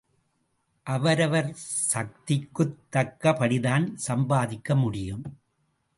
அவரவர் சக்திக்குத் தக்க படிதான் சம்பாதிக்க முடியும்.